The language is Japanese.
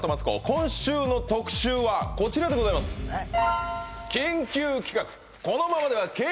今週の特集はこちらでございますえっ？